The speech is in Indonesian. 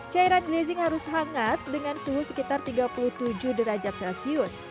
cairan grazing harus hangat dengan suhu sekitar tiga puluh tujuh derajat celcius